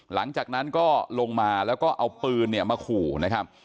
หลังจากนั้นก็ลงมาแล้วก็เอาปืนเนี่ยมาขู่นะครับ